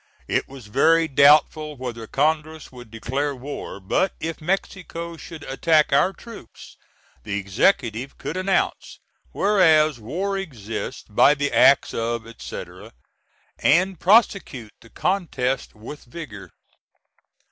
It was very doubtful whether Congress would declare war; but if Mexico should attack our troops, the Executive could announce, "Whereas, war exists by the acts of, etc.," and prosecute the contest with vigor.